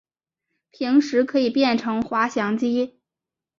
平时可以变成滑翔机。